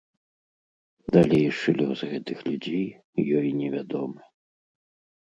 Далейшы лёс гэтых людзей ёй невядомы.